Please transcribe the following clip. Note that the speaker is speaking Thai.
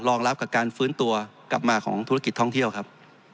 รองรับกับการฟื้นตัวกลับมาของธุรกิจท่องเที่ยวครับ